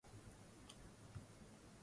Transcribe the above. Uvutaji wa sigara huharibu meno